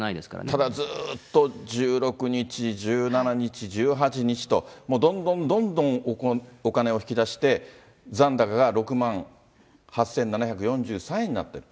ただずっと１６日、１７日、１８日と、もうどんどんどんどんお金を引き出して、残高が６万８７４３円になってる。